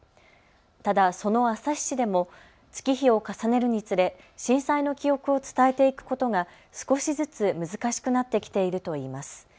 ただ、その旭市でも月日を重ねるにつれ震災の記憶を伝えていくことが少しずつ難しくなってきているといいます。